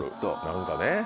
何かね。